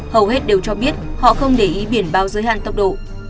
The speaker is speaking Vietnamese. hầu hết đều cho biết họ không để ý biển báo giới hạn tốc độ